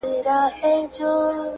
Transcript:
زما د سرڅښتنه اوس خپه سم که خوشحاله سم.